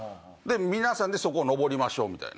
皆さんでそこ上りましょうみたいな。